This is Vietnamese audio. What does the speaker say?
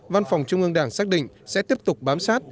văn phòng trung ương đảng xác định sẽ tiếp tục bám sát